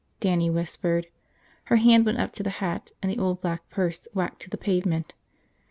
Dannie whispered. Her hand went up to the hat and the old black purse whacked to the pavement.